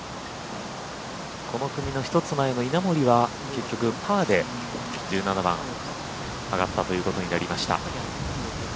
この組の１つ前の稲森は結局パーで１７番上がったということになりました。